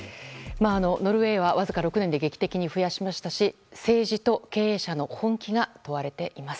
ノルウェーはわずか６年で劇的に増やしましたし政治と経営者の本気が問われています。